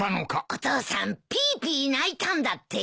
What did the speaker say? お父さんピーピー泣いたんだって？